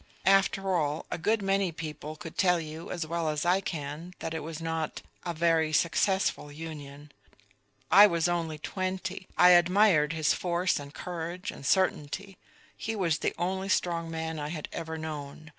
After all, a good many people could tell you as well as I can that it was not ... a very successful union. I was only twenty. I admired his force and courage and certainty; he was the only strong man I had ever known.